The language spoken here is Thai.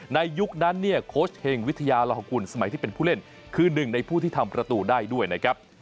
ยุคนั้นเนี่ยโค้ชเฮงวิทยาลหกุลสมัยที่เป็นผู้เล่นคือหนึ่งในผู้ที่ทำประตูได้ด้วยนะครับ